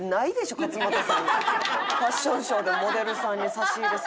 ファッションショーでモデルさんに差し入れされる事。